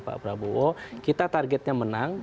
pak prabowo kita targetnya menang